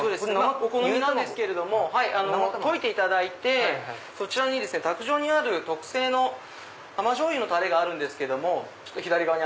お好みなんですけれども溶いていただいて卓上に特製の甘醤油のタレがあるんですけれども左側に。